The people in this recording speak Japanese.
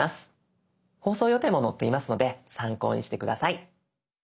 放送予定も載っていますので参考にして下さい。